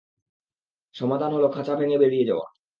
সমাধান হলো খাচা ভেঙে বেড়িয়ে যাওয়া।